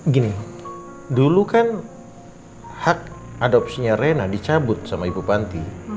gini dulu kan hak adopsinya rena dicabut sama ibu panti